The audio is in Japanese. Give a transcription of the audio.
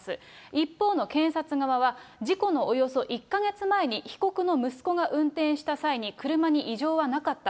一方の検察側は、事故のおよそ１か月前に、被告の息子が運転した際に、車に異常はなかった。